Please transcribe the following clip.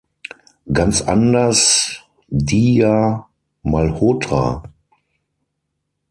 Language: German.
Ganz anders Diya Malhotra.